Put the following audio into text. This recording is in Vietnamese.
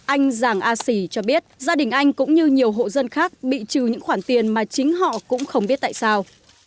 anh giàng a sì cho biết gia đình anh cũng như nhiều hộ dân khác bị trừ những khoản tiền mà chính họ cũng không biết tại sao